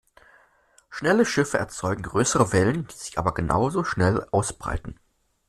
Schnelle Schiffe erzeugen größere Wellen, die sich aber genau so schnell ausbreiten.